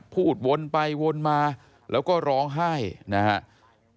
พูดวนไปวนมาแล้วก็ร้องไห้นะครับ